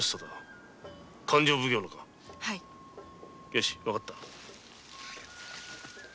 よし分かった。